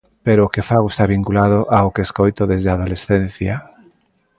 Pero o que fago está vinculado ao que escoito desde a adolescencia.